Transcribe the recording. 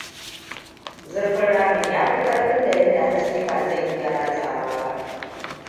Zurfin ramin ya fi ƙarfin da yadda haske ba zai iya ratsawa ba!